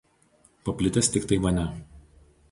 Paplitęs tik Taivane.